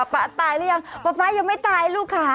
พ่อตายแล้วยังพ่อยังไม่ตายลูกค้า